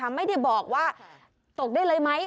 ไม่ได้บอกว่าตกได้เลยไหม